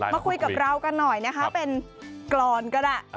มาคุยกับเรากันหน่อยนะคะเป็นกรรมกันแหละ